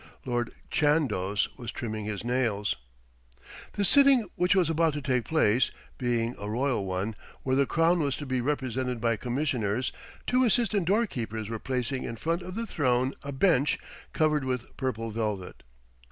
Lord Chandos was trimming his nails. The sitting which was about to take place, being a royal one, where the crown was to be represented by commissioners, two assistant door keepers were placing in front of the throne a bench covered with purple velvet.